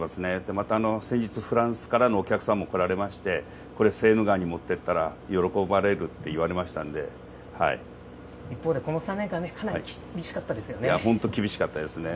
また先日、フランスからのお客さんも来られまして、これをセーヌ川に持っていったら喜ばれるって一方でこの３年間、かなり厳本当、厳しかったですね。